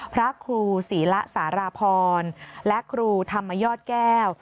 พระครูศรีละสารพรและครูธรรมยอดแก้ว